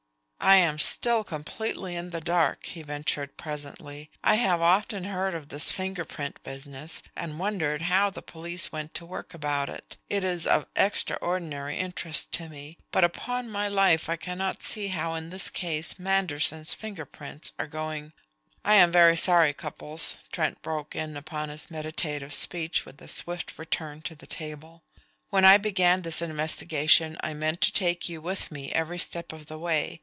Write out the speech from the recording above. "I am still completely in the dark," he ventured presently. "I have often heard of this finger print business, and wondered how the police went to work about it. It is of extraordinary interest to me, but upon my life I cannot see how in this case Manderson's finger prints are going " "I am very sorry, Cupples," Trent broke in upon his meditative speech with a swift return to the table. "When I began this investigation I meant to take you with me every step of the way.